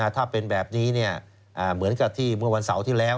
ถ้าเป็นแบบนี้เหมือนกับที่เมื่อวันเสาร์ที่แล้ว